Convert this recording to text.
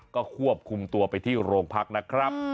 ก็ควบคุมตัวไปที่โรงพักนะครับ